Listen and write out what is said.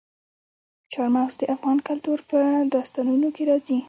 چار مغز د افغان کلتور په داستانونو کې راځي.